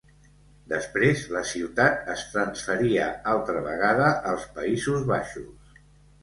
Després la ciutat es transferia altra vegada als Països Baixos.